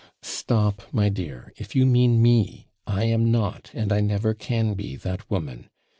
'Stop, my dear; if you mean me, I am not, and I never can be, that woman.